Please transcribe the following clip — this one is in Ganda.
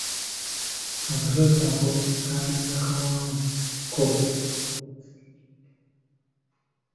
Akasozi ako kaalinga kawanvuko.